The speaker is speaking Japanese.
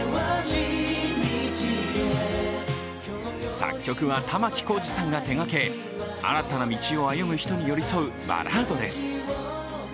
作曲は玉置浩二さんが手がけ、新たな道を歩む人に寄り添うバラードです。